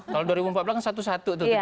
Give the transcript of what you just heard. kalau dua ribu empat belas kan satu satu tuh